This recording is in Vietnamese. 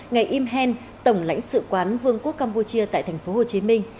ngày im hen tổng lãnh sự quán vương quốc campuchia tại tp hcm